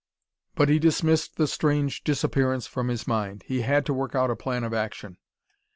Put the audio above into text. But he dismissed the strange disappearance from his mind. He had to work out a plan of action.